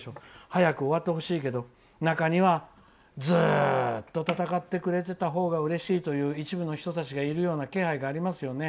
早く終わってほしいけど中には、ずっと戦ってくれてたほうがうれしいという一部の人たちがいるような気配がありますよね。